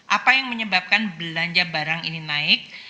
apa yang menyebabkan belanja barang ini naik